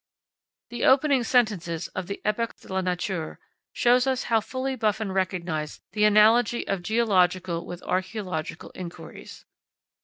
The opening sentences of the "Epoques de la Nature" show us how fully Buffon recognised the analogy of geological with archaeological inquiries.